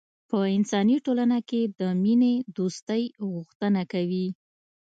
په انساني ټولنه کې د مینې دوستۍ غوښتنه کوي.